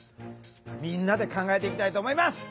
みんなで考えていきたいと思います。